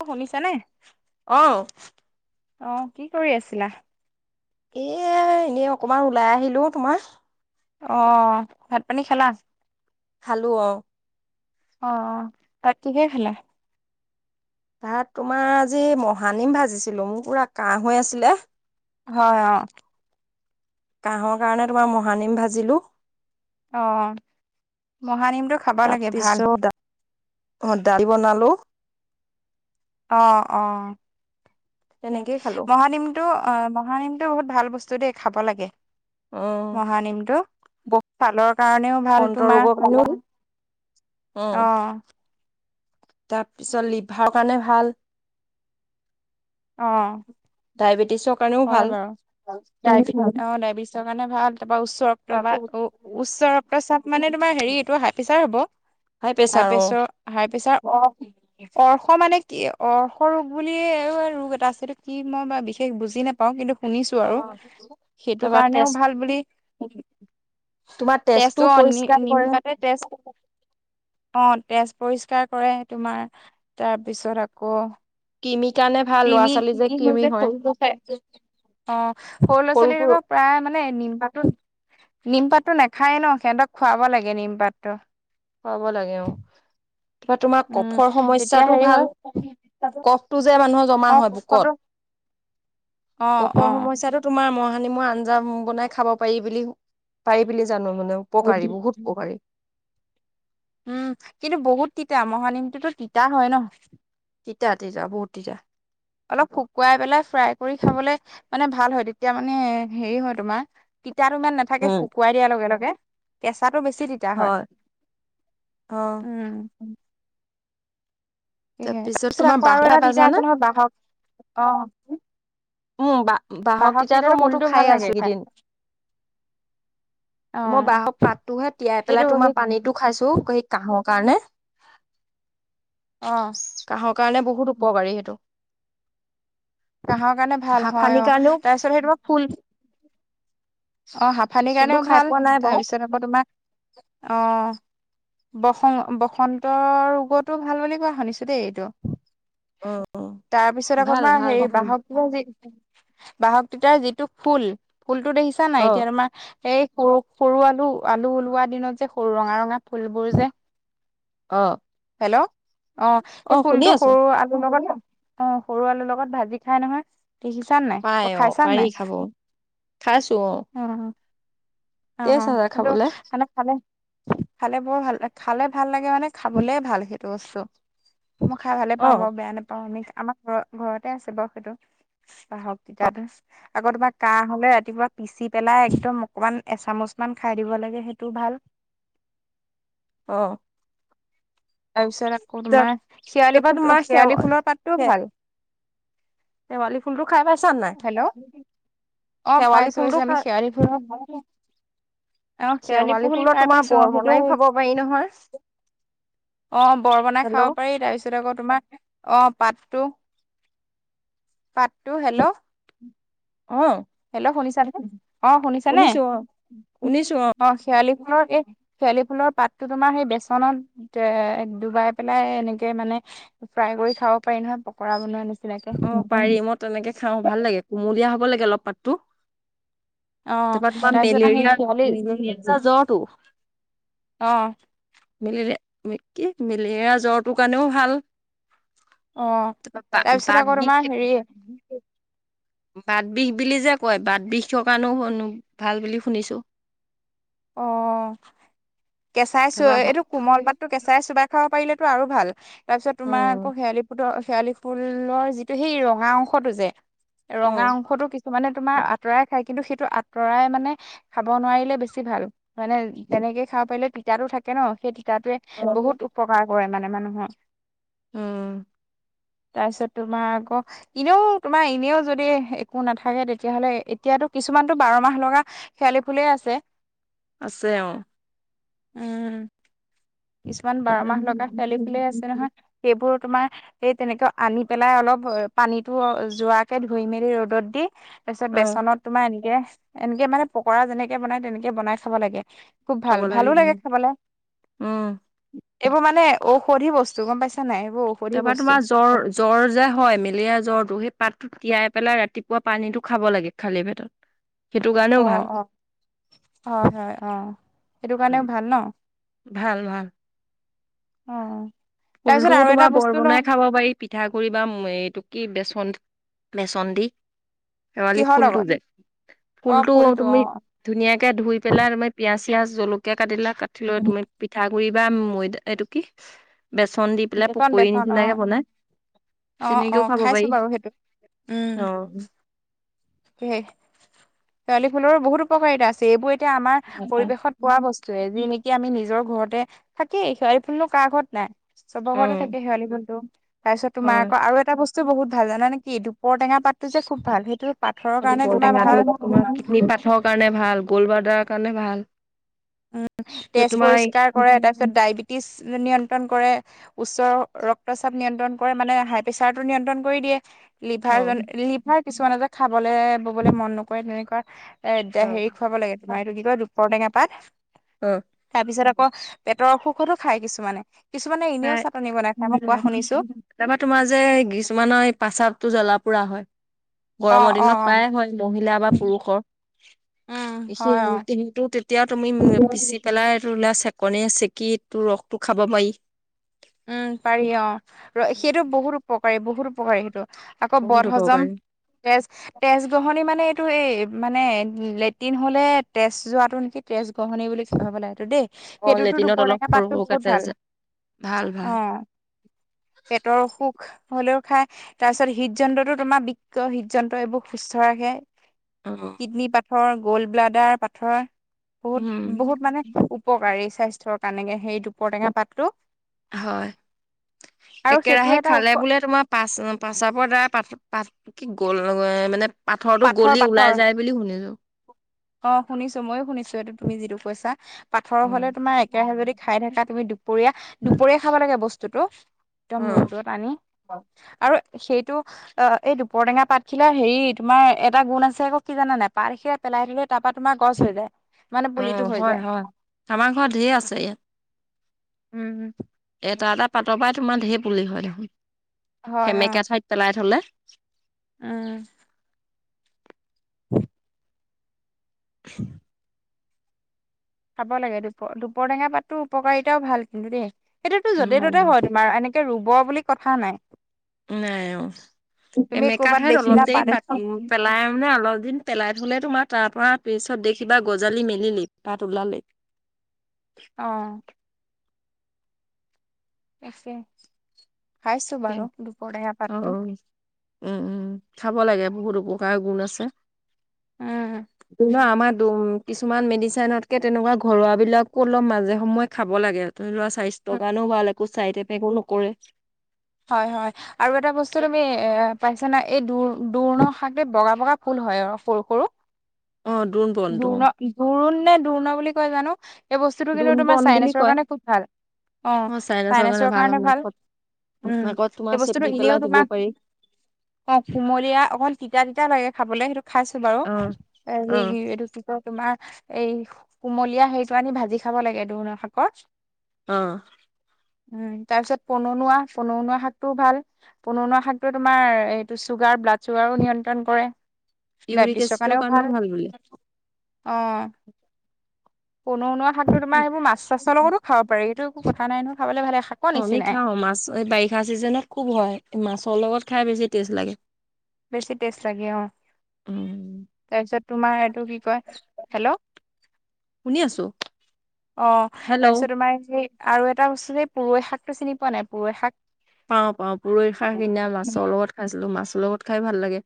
অ শুনিছানে অহ। অ, কি কৰি আছিলা? এ এনেই অকমান ওলাই আহিলো তোমাৰ। অহ ভাত পানী খালা? খালো অ। অহ, ভাত কিহে খালা? তাত তোমাৰ আজি মহানিম ভাজিছিলো, মোৰ পুৰা কাহ হৈ আছিলে। হয় অ। কাঁহৰ কাৰণে তোমাৰ মহানিম ভাজিলোঁ। অ মহানিম তাৰপিছত অ দালি বনালো। অ, অ। তেনেকেই খালো মহানিমটো, অ মহানিম বহুত ভাল বস্তু দেই, খাব লাগে। অ' মহানিমটো পালৰ কাৰণেও ভাল বসন্ত তোমাৰ। ৰোগৰ কাৰণেও অঁ। তাৰ পিছত লিভাৰৰ কাৰণে ভাল। অঁ। ডায়েবেটিছৰ কাৰণেও হয় ভাল। বাৰু। অ ডায়েবেটিছৰ কাৰণে ভাল। তাৰপা উচ্চ ৰক্ত বা আকৌ উচ্চ ৰক চাপ মানে তোমাৰ হেৰি এইটো হাই প্ৰেছাৰ হ'ব। প্ৰেছাৰ হাই অ' প্ৰেছৰ হাই প্ৰেছাৰ, অ-অ। মানে কি অৰ্শ ৰোগ বুলি এই ৰোগ এটা আছেটো, কি মই বা বিশেষ বুজি নাপাওঁ কিন্তু শুনিছো আৰু সেইটো তাৰপৰা তেজ কাৰণেও ভাল বুলি তোমাৰ তেজো তেজটোও নি পৰিষ্কাৰ নিম কৰে। পাতে তেজ, অ তেজ পৰিষ্কাৰ কৰে। তোমাৰ তাৰপিছত আকৌ কৃমিৰ কাৰণে ভাল ল'ৰা প্ৰিমি ছোৱালী যে কি কৃমি হৈছে হয় কৰিব চাই আছোঁ। অ, সৰু ল'ৰা ছোৱালী আকৌ প্ৰায় মানে নিম পাতো নিমপাতটো নাখায় এ ন। সিহঁতক খুৱাব লাগে নিমপাতটো। পাব লাগে অ। ত তোমাৰ উম কফৰ তেতিয়া সমস্যাটো হেৰি হয় ভাল। কফটো যে মানুহৰ জমা অ হৈ বুকত, কোষটো অ কফৰ সমস্যাটো তোমাৰ মহা নিমৰ আঞ্জা বনাই খাব পাৰি বুলি পাৰি বুলি জানো। মানে অ উপকাৰী বহুত উপকাৰী। উম, কিন্তু বহুত তিতা। মহানিমটোতো তিতা হয় ন? তিতা, তিতা বহুত তিতা। অলপ শুকুৱাই পেলাই ফ্ৰাই কৰি খাবলে মানে ভাল হয়। তেতিয়া মানে হেৰি হয় তোমাৰ তিতাটো ইমান নাথাকে শুকুৱাই দিয়া লগে লগে। [unintelligible] চাহটো বেছি তিতা হয়। অ উম। সয়হে তাৰ তাৰপিছত পিছত তোমাৰ আকৌ বাঁহ আৰু খাই এটা দিতিতা পাইছানে এজনহয় বাহক অ। উম ব বাহক তেতিয়াতো তিতাটো মইতো ফুলটো খাই ভাল লাগে আছো এদিন। অ মই বাহক পাতটোোহে তিয়াই সেইটো পেলাই তোমাৰ সেই পানীতটো খাইছো সেই কাঁহক। কাৰণে। অ। কাহৰ কাৰণে বহুত উপকাৰী সেইটো। কাহৰ কাৰণে ভাল হয় হাঁফানিৰ অ কাৰণেও তাৰপিছত সেইটো ফুল। অ হাফানিৰ ফুলটো কাৰণেও খাই ভাল পোৱা নাই বাৰু তাৰপিছত আকৌ তোমাৰ অ। বসন্ত বসন্তৰ ৰোগটো ভাল বুলি কোৱা শুনিছো দেই এইটো। অ তাৰপিছত আকৌ ভাল মাৰ ভাল হেৰি। বাহক তিতাৰ যি বাহক তিতাৰ যিটো ফুল ফুলতো দেখিছা অ নাই এতিয়া তোমাৰ। এই সৰু সৰু আলু আলু ওলোৱা দিনত যে সৰু ৰঙা ৰঙা ফুলবোৰ যে। অ হেল্ল' অ সেই অ শুনি ফুলটো আছো সৰু আলু লব ন। অ সৰু আলুৰ লগত ভাজি খাই নহয়। দেখিছান নাই পাই অ খাইছা পাৰি নাই খাব অ। অ অ টেষ্ট আছে হেইটো খাবলে। আন খালে। খালে বৰ ভাল খালে ভাল লাগে মানে খাবলে ভাল সেইটো বস্তু। মই খাই ভালে অ পাওঁ বেয়া নাপাওঁ আমি। আমাৰ ঘৰ ঘৰতে আছে বাৰ সেইটো বাহক অ তিতাতো আকৌ তোমাৰ কাহ হলে ৰাতিপুৱা। পিচি পেলাই একদম অকমান এচামুচমান খাই দিব লাগে সেইটোও ভাল। অহ। তাৰপিছত আকৌ তোমাৰ চিয়লি তাৰপৰা ফুল তোমাৰ সেৱা চিৰালি ফুলৰ পাতটোও সে ভাল। শেৱালি ফুলটো খাই পাইছা নাই। হেল্ল' অ শেৱালি পাইছো ফুলটো পইছো আমি খাই শেৱালী ফোলৰ। আহ শেৱালি ফুল ফুলৰ খাই তোমাৰ পাইছো অ বৰ সেইটো। বনাইও খাব পাৰি নহয় অ বৰ বনাই হেল্ল' খাব পাৰি তাৰপিছত আকৌ তোমাৰ আহ পাতটো। পাতটো হেল্ল'। অ। হেল্ল' শুনিছানে অ শুনিছানে শুনিছো অ অ শেৱালি। ফুলৰ এই শেৱালি ফুলৰ পাততো তোমাৰ সেই বেচনত এ ডুবাই পেলাই এনেকে মানে। ফ্ৰাই কৰি খাব পাৰি নহয় পকৰা বনোৱা নিচিনা। অ পাৰি মই তেনেকে খাওঁ ভাল লাগে কুমলীয়া হব লাগে অলপ পাততো। অ তাৰপৰা তোমাৰ তাৰপিছত সেই মেলেৰিয়া শেৱালি মেলেৰিয়া জ্বৰটো। অ মেলেৰিয়া কি মেলেৰিয়াৰ জ্বৰটোৰ কাৰণেও ভাল। অ তাৰপৰা তাৰপিছত বাত আকৌ বিষ তোমাৰ হেৰি। বাত বিষ বুলি যে কয় বাত বিষ কাৰণো ভাল বুলি শুনিছো। অ কেঁচাই চ তাৰপা হ- এইটো কোমল পাতটো কেঁচাই চোবাই খাব পাৰিলে। আৰু ভাল তাৰপিছত অ তোমাৰ আকৌ শেৱালি ফুলটো। শেৱালি ফুলৰ যিটো সেই ৰঙা অংশটো যে অ ৰঙা অংশতো কিছু। মানে তোমাৰ আঁতৰাই খায় কিন্তু সেইটো আঁতৰাই মানে খাব নোৱাৰিলে বেছি। বেছি ভাল মানে তেনেকে খাব পাৰিলে তিতা থাকে ন সেই তিতাতোৱে বহুত উপকাৰ। কৰে মানে মানুহৰ। উম। তাৰপিছত তোমাৰ আকৌ এনেও তোমাৰ এনেও যদি একো নাথাকে তেতিয়াহলে এতিয়া। ইয়াতো কিছুমানতো বাৰ মাহ লগা শেৱালি ফুলেই আছে। আছে অ। উম। কিছুমান বাৰ মাহ লগা শেৱালি ফুলেই আছে নহয় সেইবোৰ। তোমাৰ স তেনেকে আনি পেলাই অলপ পানীটো যোৱাকে ধুই মেলি ৰ'দত দি। তাৰ পিছত অ বেচনত তোমাৰ এনেকে এনেকে মানে পকৰা যেনেকে বনাই তেনেকে বনাই খাব লাগে। খুব ভাল ভালো লাগে খাবলে উম এইবোৰ মানে ঔষধি বস্তু গম পাইছা নাই এইবোৰ ঔষধি তাৰ পৰা বস্তু তোমাৰ জ্বৰ জ্বৰ যে হয় মেলেৰিয়া জ্বৰটো সেই পাতটো তিয়াই পেলাই ৰাতিপুৱা পানীটো খাব লাগে খালি পেটত সেইটো অ কাৰণেও ভাল অ হয় হয় অ সেইটো কাৰণেও ভাল ন ভাল ভাল অ তাৰপিছত ফুলটোও আৰু এটা তোমাৰ বৰ বস্তু ন বনাই খাব পাৰি পিঠাগুৰি বা এইটো কি বেচ খন বেচন দি শেৱালি কিহৰ ফুলটো লগত যে অ ফুলটো অ তুমি ধুনীয়াকে ধুই পেলাই তুমি পিয়াজ পিঁয়াজ জলকীয়া কাটিলা কাটি লৈ তুমি পিঠাগুৰি বা মৈদা এইটো কি বেচন দি পেলাই বেচন পকৰীৰ বেচন অ নিচিনাকে বনাই। অ অ তেনেকেও খাব খাইছো পাৰি বাৰু সেইটো উম। অ শেৱালি ফুলৰো বহুত উপকাৰিতা আছে এইবোৰ এ এতিয়া আমাৰ পৰিৱেশত পোৱা বস্তুৱে যি নিক কি আমি নিজৰ ঘৰতে থাকেই শেৱালি ফুলনো কাৰ ঘৰত নাই চবৰ ঘৰতে উম থাকে শেৱালি ফুল টো তাৰপিছত তোমাৰ হয় আকৌ আৰু এটা বস্ত বহুত ভাল জানানে কি দুপৰটেঙা পাতটো যে খুব ভাল সেইটো পাথৰৰ কাৰণে তোমাৰ ভাল দুপৰটেঙাটো তোমাৰ কিডনী পাঠৰ কাৰণে ভাল গ'ল্ড বাৰ্ডাৰৰ কাৰণে ভাল উম পিছত তেজ তোমাৰ পৰিষ্কাৰ কৰে তাৰপিছত ডায়বেটিছ নিয় নিয়ন্ত্ৰণ কৰে উচ্চ ৰক্তচাপ নিয়ন্ত্ৰণ কৰে মানে হাই প্ৰেচাৰটো নিয়ন্ত্ৰণ কৰি দিয়ে অ লিভাৰ লিভাৰ কিছুমানে যে খাবলে ববলে মন নকৰে তেনেকুৱা এ এতিয়া অ হেৰি খুৱাব লাগে তোমাৰ এইটো কি কয় দুপৰটেঙা পাত অ তাৰপিছত ক পেটৰ অসুখতো খাই কিছুমানে। কিছুমানে এনেও চাটনি বনাই খাই মই কোৱা শুনিছো তাপা তোমাৰ যে কিছুমানৰ প্ৰস্ৰাৱটো জ্বলা পোৰা পুৰা হয় অ গৰমৰ অ দিনত প্ৰায়ে হয় মহিলা বা পুৰুষৰ উম হয় অ [unintelligible] তেতিয়াও তুমি উ পিচি পেলাই এইটো ওলাই চেপ চাকণিৰে চেকি তোৰ ৰসটো খাব পাৰি উম পাৰি অ ৰ সেইটো বহুত উপকাৰী বহুত উপকাৰী সেইটো আকৌ বহুত বদ হজম উপকাৰী তেজ তেজ গ্ৰহনি মানে এইটো এই মানে লেট্ৰিন হ'লে তেজ যোৱাটো নেকি তেজ গহনি বুলি কয় হবলা সেইটো দেই অ সেইটোতো লেট্ৰিনত দুপৰ অলপ টেঙা সৰু পাতটো সৰুকে বহুত তেজ ভাল যায়, ভাল ভাল অ পেটৰ অসুখ সুখ হলেও খাই তাৰপিছত হৃদ যন্ত্ৰতো তোমাৰ বিক হৃদ যন্ত্ৰ এইবোৰ সুস্থ ৰাখে। অ কিডনী পাথৰ গ'ল্ড ব্লাডাৰ পাথৰ বহুত উম বহুত মানে উপকাৰী স্বাস্থ্যৰ কাৰণে সেই দুপৰটেঙা পাতটো হয় আৰু সেইটো একেৰাহে এটা খালে বোলে তোমাৰ পাচ প্ৰস্ৰাৱৰ দ্বাৰা পাথ পাত কি গ'ল ৰঙয়ে মানে পাথৰটো পাথৰ গলি ওলাই পাথৰ যায় বুলি শুনিছো অ শুনিছো মইয়ো শুনিছো এইটো তুমি যিটো কইছা পাথৰ হলে উম তোমাৰ একে ৰাহে যদি খাই থকা তুমি দুপৰীয়া দুপৰীয়া খাব লাগে বস্তুতটো অ একদম ৰ'দত আনি আৰু সেইটো অ এই দুপৰটেঙা পাতখিলা হেৰি তোমাৰ এটা গুণ আছে আকৌ কি জানা নাই পাত এখিলা পেলাই থলে তাৰ পৰা তোমাৰ গছ হৈ যায় মানে অ পুলিটো হৈ হয় যায় হয় আমাৰ ঘৰত ঢেৰ আছে ইয়াত উমম এটা এটা পাতৰ পৰাই তোমাৰ ঢেৰ পুলি হয় দেখোন হয় অ সেমেকা ঠাইত পেলাই থলে উম হয় [unintelligible] [unintelligible] খাব লাগে দুপ দুপৰ টেঙা পাতটো উপকাৰিতাও ভাল কিন্তু দেই সেইটোতো য'তে ত'তে উম, হয় তুমাৰ এনেকে ৰুব বুলি কথা নাই নাই অ তুমি এমেকা কৰ'বাত ঠাইত অলপ দেখিলা দেৰি পাত এখন পেলাই মানে অলপ দিন পেলাই থলে তোমাৰ তাৰ পৰা পিছত দেখিবা গজালি মেলিলেই পাত ওলালেই অ খাইছো বাৰু দুপৰটেঙা অ পাতটো উম উম খাব লাগে বহুত উপকাৰ গুণ আছে। উম দুন আমাৰ দুম কিছুমান মেডিচিনতকৈ তেনেকুৱা ঘৰুৱাবিলাকো অলপ মাজে সময়ে খাব লাগে লৰা স্বাস্থ্যৰ কাৰণেও ভাল একো চাই এফেক্টও নকৰে হয় হয় আৰু এটা বস্তু তুমি এ পাইছানা এই দু দোৰ্ণ শাক বগা বগা ফুল হয় অ সৰু সৰু অ' দোন বনটো দূৰ্ণ দোৰোণ নে দুৰ্ণ বুলি কয় জানো এই বস্তুটো কিন্তু দোন তোমাৰ বন বুলি চাইনেছৰ কয়। কাৰণে খুব ভাল অ চাইনেছৰ কাৰণে ভাল উম নাকত তোমাৰ সে বস্তুটো চেপি এনেইও পেলাই দিব তোমাক পাৰি। অ কুমলীয়া অকল তিতা তিতা লাগে খাবলে সেইটো খাইছো বাৰু অ' এ অ' হেৰি তোমাৰ এই কুমলীয়া হেটো আনি ভাজি খাব লাগে দুৰ্ন শাকত। আহ উ তাৰ পিছত পননৌৱা পননৌৱা শাকটোও ভাল পননৌবা শাকটো তোমাৰ এইটো চুগাৰ। ব্লাড চুগাৰো নিয়ন্ত্ৰণ কৰে। ইউৰিক ডায়বেটিছৰ এচিডৰ কাৰণেও ভাল। বোলে। আহ। পননৌৱা শাকটো তোমাৰ সেইবোৰ মাছ চাছৰ লগতো খাব পাৰি এইটো কথা নাই নহয় খাবলৈ ভালে। শাকৰ অ আমি নিচিনাই খাওঁ মাছ এই বাৰিষা চিজনত খুব হয়। মাছৰ লগত খাই বেছি টেষ্ট লাগে। বেছি টেষ্ট লাগে। অ উম। তাৰপিছত তোমাৰ এইটো কি কয়? হেল্ল' আহ শুনি আছোঁ হেল্ল' তাৰপিছত তোমাৰ এই আৰু এটা বস্তু যে পুৰৈ শাকটো চিনি পোৱা নাই পুৰৈ শাক। পাওঁ পাওঁ পুৰৈৰ খাৰ সদিনা মাছৰ লগত খাইছিলো মাছৰ লগত খাই ভাল লাগে।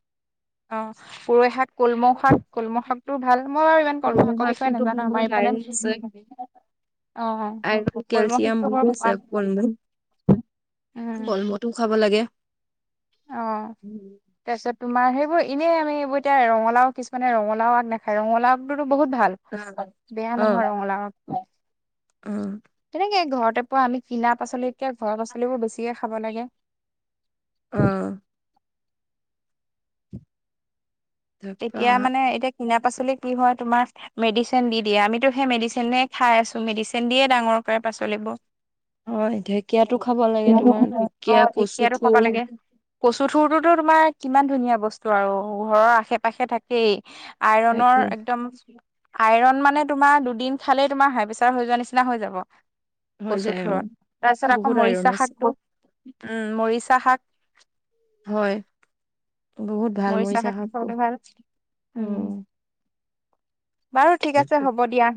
অ পুৰৈ শাক কলমৌ শাক কলমৌ শাকটো ভাল মই ইমান কলমৌ কৰ্মকৰ শাক বিষয়ে কিন্তু নাজানো আমাৰ ইফালে আইৰণ আছে অ আইৰণ কলমৌ কেলচিয়াম শাকটো বৰ ভাল। কলমৌটোও খাব লাগে। অ তাৰপিছত তোমাৰ সেই আ এনেই আমি এইবোৰ এতিয়া ৰঙালাও কিছুমানে ৰঙলাও আগ নাখায় ৰঙালাও বহুত ভাল অ', বেয়া অ', নহয় ৰঙলাও আগ তেনেকে ঘৰতে পৰা আমি কিনা পাচলি কে ঘৰ পছলি পছলিবোৰ বেছিকে খাব লাগে। আহ। তাৰপা তেতিয়া মানে এতিয়া কিনা পাচলি কি হয় তোমাৰ মেডিচিন দি দিয়ে আমিতো সেই মেডিচিনে খাই আছো মেডিচিন দিয়ে ডাঙৰ কাৰে পাচলিব। হয় ঢেকীয়াতো খাব লাগে তোমাৰ অ ঢেকীয়া কচু ধেকিয়াটো খাব থুৰ লাগে। কচু থুৰতো তোমাৰ কিমান ধুনীয়া। আৰু ঘৰৰ আশে পাশে থাকেই আইৰনৰ তাকে একদম। আইৰণ মানে তোমাৰ দুদিন খালেই তোমাৰ হাই প্ৰেছাৰ হৈ যোৱা নিচিনা হৈ যাব। হৈ যায় অ', কচুথোৰৰ তাৰপিছত আকৌ বহুত আইৰণ মৰিচা আছে শাকবোৰ। উম মৰিচা শাক। হয় বহুত ভাল মৰিচা শাকটো উম। বাৰু ঠিক আছে হ'ব দিয়া।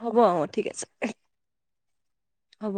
হ'ব অ ঠিক আছে হ'ব।